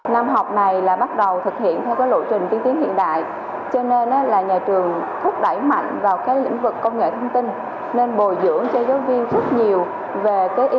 năm học này bắt đầu thực hiện theo lộ trình tiếng tiếng hiện đại